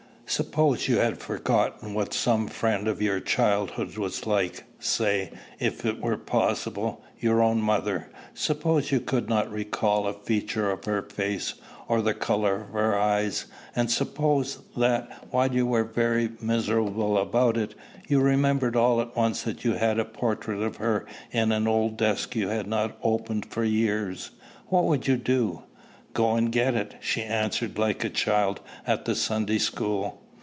"Suppose you had forgotten what some friend of your childhood was like say, if it were possible, your own mother; suppose you could not recall a feature of her face, or the color of her eyes; and suppose, that, while you were very miserable about it, you remembered all at once that you had a portrait of her in an old desk you had not opened for years: what would you do?" "Go and get it," she answered like a child at the Sunday school.